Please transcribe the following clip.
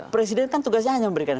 presiden kan tugasnya hanya memberikan